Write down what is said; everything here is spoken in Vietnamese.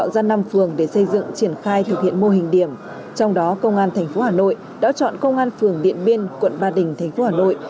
đã chọn công an phường điển biên quận ba đình tp hà nội